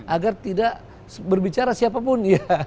agar tidak berbicara siapapun